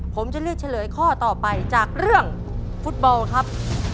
ผมจะเลือกเฉลยข้อต่อไปจากเรื่องฟุตบอลครับ